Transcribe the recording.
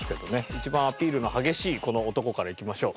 一番アピールの激しいこの男からいきましょう。